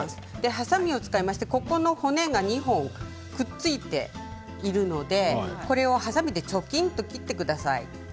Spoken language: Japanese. はさみを使って骨が２本くっついているのではさみでチョキンと切ってください。